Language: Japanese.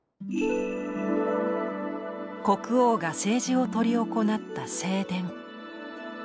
国王が政治を執り行った正殿。